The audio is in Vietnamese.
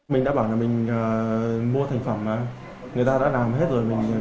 mình đã bảo là mình mua thành phẩm mà người ta đã làm hết rồi mình chỉ phải bán